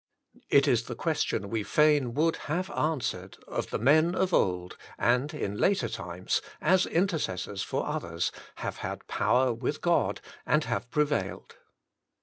— It is the question we fain would have answered of the men who of old, and in later times, as in tercessors for others, have had power with God, and have prevailed.